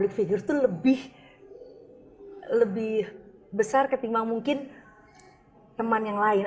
lihat saya sebagai panggung itu lebih lebih besar ketimbang mungkin teman yang lain